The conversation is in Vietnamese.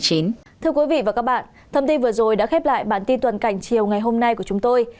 thưa quý vị và các bạn thông tin vừa rồi đã khép lại bản tin tuần cảnh chiều ngày hôm nay của chúng tôi